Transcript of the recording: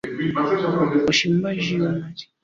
uchimbaji wa madini katika baadhi ya maeneo